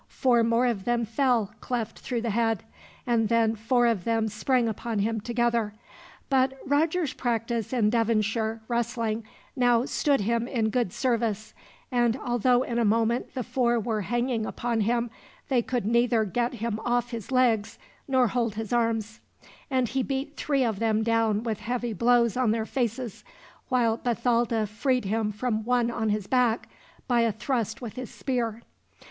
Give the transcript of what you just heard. Four more of them fell, cleft through the head; and then four of them sprang upon him together, but Roger's practice in Devonshire wrestling now stood him in good service; and although in a moment the four were hanging upon him, they could neither get him off his legs, nor hold his arms; and he beat three of them down with heavy blows on their faces, while Bathalda freed him from one on his back, by a thrust with his spear.